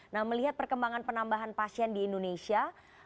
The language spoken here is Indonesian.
nah melihat perkembangan penambahan pasien di indonesia